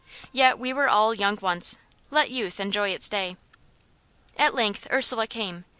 Yet we were all young once let youth enjoy its day! At length Ursula came.